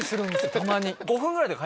たまに。